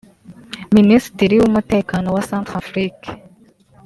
Minisitiri w’Umutekano wa Centrafrique